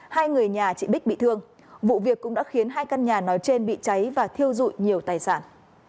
hai người nhà chị bích bị thương vụ việc cũng đã khiến hai căn nhà nói trên bị cháy và thiêu dụi nhiều tài sản